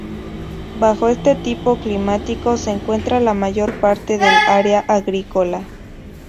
Bajo este tipo climático se encuentra la mayor parte del área agrícola.